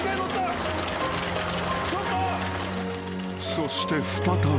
［そして再び］